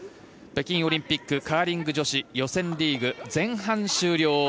北京オリンピックカーリング女子予選リーグ前半終了。